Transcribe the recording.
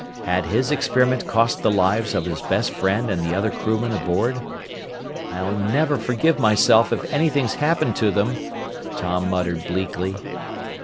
Had his experiment cost the lives of his best friend and the other crewmen aboard? "I'll never forgive myself if anything's happened to them!" Tom muttered bleakly.